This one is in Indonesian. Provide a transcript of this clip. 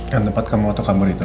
yang tempat kamu atau kabur itu